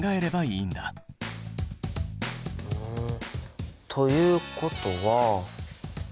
うんということは。